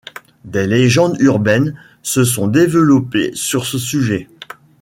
Des légendes urbaines se sont développées sur ce sujet.